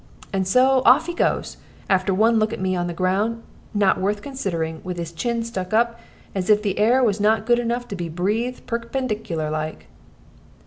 And so off he goes, after one look at me on the ground, not worth considering, with his chin stuck up, as if the air was not good enough to be breathed perpendiklar like."